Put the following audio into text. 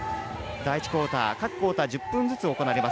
第１クオーター各クオーター１０分ずつ行われます。